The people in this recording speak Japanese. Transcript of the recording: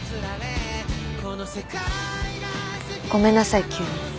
ごめんなさい急に。